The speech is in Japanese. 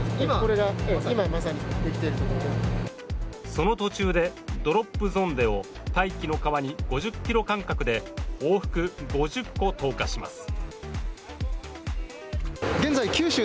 その途中でドロップゾンデを大気の河に５０ｋｍ間隔で往復５０個投下します。